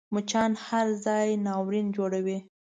مچان هر ځای ناورین جوړوي